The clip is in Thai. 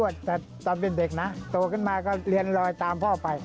ซึ่งก็ให้ท่า